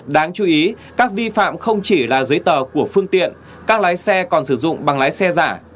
đáng chú ý các vi phạm không chỉ là giấy tờ của phương tiện các lái xe còn sử dụng bằng lái xe giả